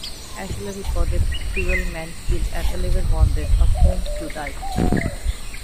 Ashley reported twelve men killed and eleven wounded, of whom two died.